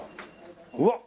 うわっ！